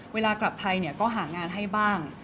เวลากลับไทยก็หางานให้บ้าง